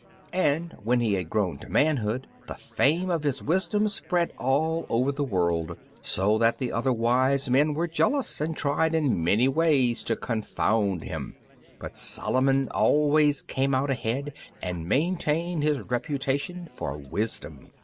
And when he had grown to manhood the fame of his wisdom spread all over the world, so that all the other wise men were jealous, and tried in many ways to confound him; but Solomon always came out ahead and maintained his reputation for wisdom.